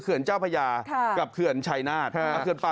เคือนเจ้าพญากับเคือนชัยนาธิ์